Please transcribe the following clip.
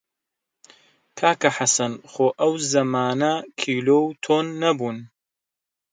کاکە حەسەن خۆ ئەو زەمانە کیلۆ و تۆن نەبوون!